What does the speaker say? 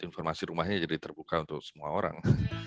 informasi rumahnya jadi terbuka untuk semua orang